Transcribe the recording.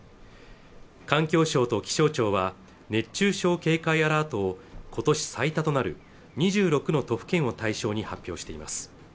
環境省と気象庁は熱中症警戒アラートを今年最多となる２６の都府県を対象に発表しています